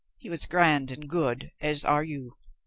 He was grand and good, as are you.